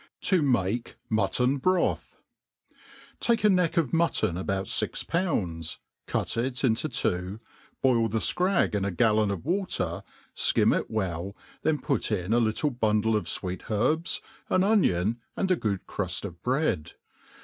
7i make Muttan^Brotb. TAKE a neck'oF mutton about fix pounds, cut it In two, boil the fcrag in a gallon of water, fkim it well, then put in a little bundle of fWeet herbs, an onion, and a good cruft of bread.